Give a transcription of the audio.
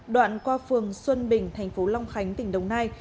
đoạn qua phường xuân bình thành phố long khánh tỉnh đồng nai